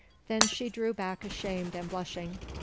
Then she drew back ashamed and blushing.